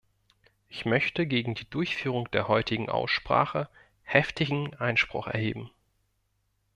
Ich möchte gegen die Durchführung der heutigen Aussprache heftigen Einspruch erheben.